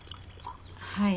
はい。